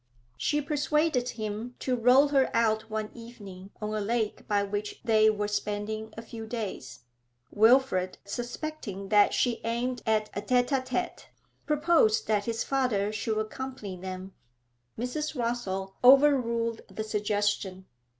She persuaded him to row her cut one evening on a lake by which they were spending a few days. Wilfrid, suspecting that she aimed at a tete a tete, proposed that his father should accompany them. Mrs. Rossall overruled the suggestion.